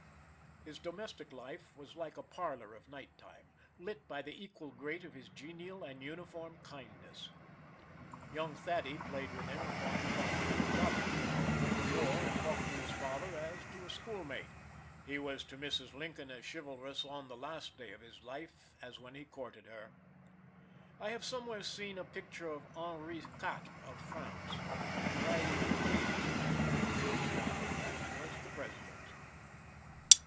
His domestic life was like a parlor of night time, lit by the equal grate of his genial and uniform kindness. Young Thaddy played with him upon the carpet; Robert came home from the war and talked to his father as to a school mate, he was to Mrs. Lincoln as chivalrous on the last day of his life as when he courted her. I have somewhere seen a picture of Henry IV. of France, riding his babies on his back: that was the President.